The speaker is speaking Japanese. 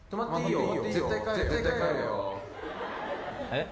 えっ？